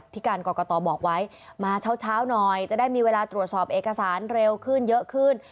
ที่การกรกตบอกไว้มาเช้าหน่อยจะได้มีเวลาตรวจสอบเอกสารเร็วขึ้นเยอะขึ้น